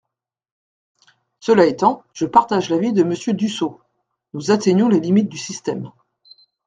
Cela étant, je partage l’avis de Monsieur Dussopt : nous atteignons les limites du système.